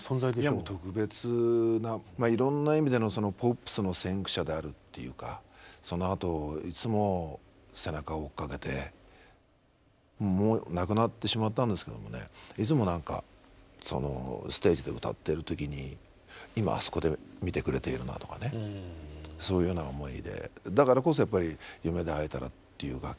いやもう特別ないろんな意味でのそのポップスの先駆者であるっていうかそのあといつも背中を追っかけてもう亡くなってしまったんですけどもねいつもなんかそのステージで歌っている時に今あそこで見てくれているなとかねそういうような思いで。